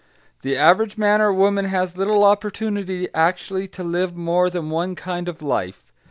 The average man or woman has little opportunity actually to live more than one kind of life.